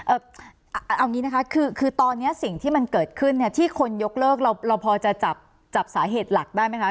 เอาอย่างนี้นะคะคือตอนนี้สิ่งที่มันเกิดขึ้นเนี่ยที่คนยกเลิกเราเราพอจะจับสาเหตุหลักได้ไหมคะ